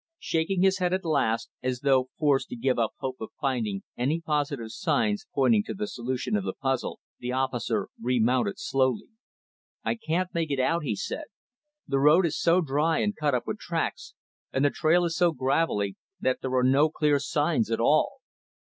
Shaking his head, at last, as though forced to give up hope of finding any positive signs pointing to the solution of the puzzle, the officer remounted, slowly. "I can't make it out," he said. "The road is so dry and cut up with tracks, and the trail is so gravelly, that there are no clear signs at all.